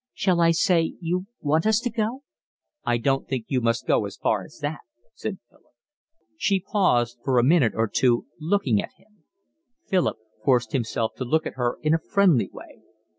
"Shall I say you want us to go?" "I don't think you must go as far as that," said Philip. She paused for a minute or two, looking at him. Philip forced himself to look at her in a friendly way.